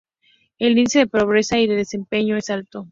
El índice de pobreza, y de desempleo es alto.